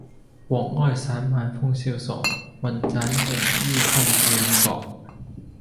黃埃散漫風蕭索，云棧縈紆登劍閣。